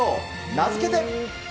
名付けて。